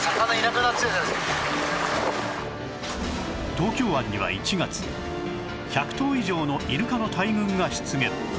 東京湾には１月１００頭以上のイルカの大群が出現